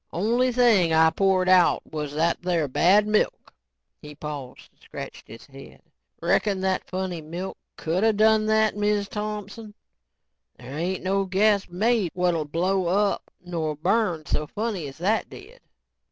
Only thing I poured out was that there bad milk." He paused and scratched his head. "Reckon that funny milk coulda done that, Miz Thompson? There ain't no gas made what'll blow up nor burn so funny as that did."